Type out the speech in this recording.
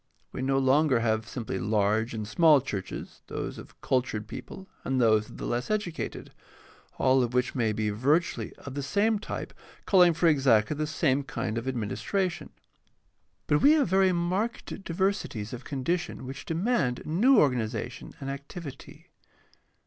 We no longer have simply large and small churches, those of cultured people and those 6oo GUIDE TO STUDY OF CHRISTIAN RELIGION of the less educated, all of which may be virtually of the same type calling for exactly the same kind of administration; but we have very marked diversities of condition which demand new organization and activity.